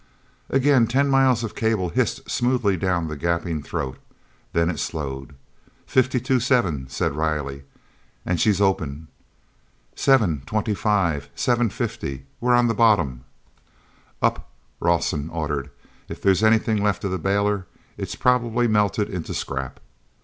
Again ten miles of cable hissed smoothly down the gaping throat. Then it slowed. "Fifty two seven," said Riley, "and she's open. Seven twenty five! Seven fifty, and we're on bottom!" "Up," Rawson ordered, "if there's anything left of the bailer. It's probably melted into scrap."